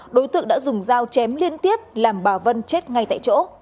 đối tượng đã dùng dao chém liên tiếp làm bà vân chết ngay tại chỗ